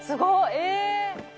え！